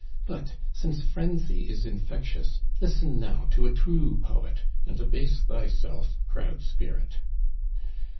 " But, since frenzy is in fectious, listen now to a true poet, and abase thyself, proud spirit.